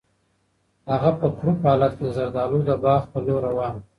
هغه په کړوپ حالت کې د زردالو د باغ په لور روان و.